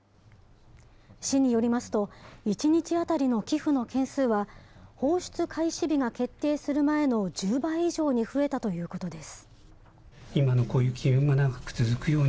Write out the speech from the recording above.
市によりますと、１日当たりの寄付の件数は、放出開始日が決定する前の１０倍以上に増えたということです。